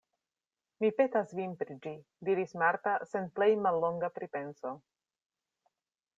Mi petas vin pri ĝi, diris Marta sen plej mallonga pripenso.